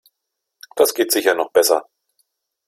Das geht sicher noch besser.